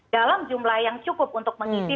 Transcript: dalam jumlah yang cukup untuk mengisi